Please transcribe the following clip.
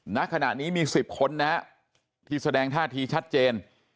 ณขณะนี้มี๑๐คนนะฮะที่แสดงท่าทีชัดเจน